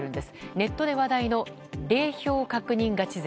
ネットで話題の「＃零票確認ガチ勢」。